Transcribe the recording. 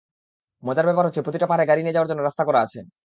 মজার ব্যাপার হচ্ছে, প্রতিটা পাহাড়ে গাড়ি নিয়ে যাওয়ার জন্য রাস্তা করা আছে।